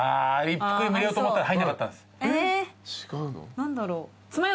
何だろう？